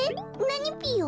なにぴよ？